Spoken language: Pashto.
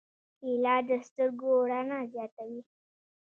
کېله د سترګو رڼا زیاتوي.